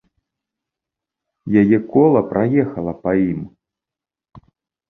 Яе кола праехала па ім.